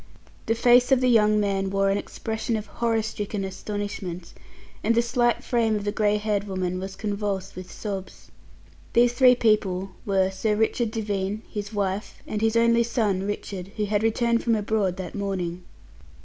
The face of the young man wore an expression of horror stricken astonishment, and the slight frame of the grey haired woman was convulsed with sobs. These three people were Sir Richard Devine, his wife, and his only son Richard, who had returned from abroad that morning.